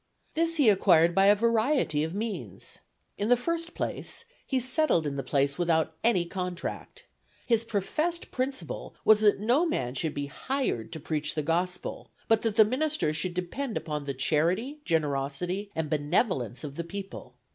"This he acquired by a variety of means. In the first place, he settled in the place without any contract. His professed principle was that no man should be hired to preach the gospel, but that the minister should depend upon the charity, generosity, and benevolence of the people.